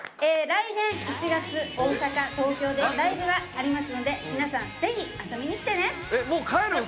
来年１月大阪東京でライブがありますので皆さんぜひ遊びに来てね！